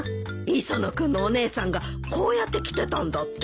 磯野君のお姉さんがこうやって着てたんだって。